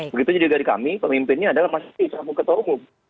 begitu juga di kami pemimpinnya adalah masih tetap ketua umum